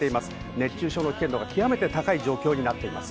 熱中症の危険度が極めて高い状況になっています。